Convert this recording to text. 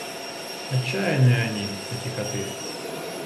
Отчаянные они, эти коты!